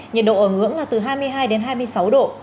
nhiệt độ ở ngưỡng là từ hai mươi hai đến hai mươi sáu độ